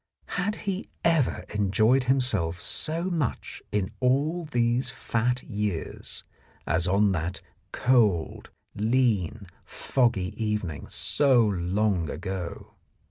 Had he ever enjoyed himself so much in all these fat years as on that cold, lean, foggy evening so long ago